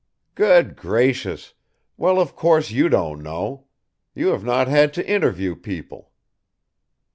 "Good gracious well, of course you don't know you have not had to interview people."